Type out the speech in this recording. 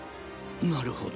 なるほど。